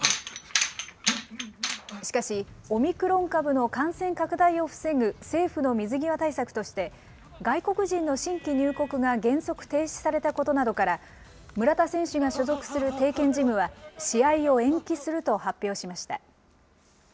しかし、オミクロン株の感染拡大を防ぐ政府の水際対策として、外国人の新規入国が原則停止されたことなどから、村田選手が所属する帝拳ジムは、試合を延期すると発表しました。